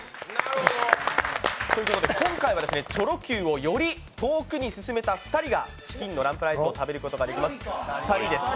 今回はチョロＱを、より遠くに進めた２人がチキンのランプライスを食べることができます、２人です。